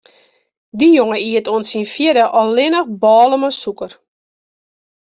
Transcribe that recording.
De jonge iet oant syn fjirde allinnich bôle mei sûker.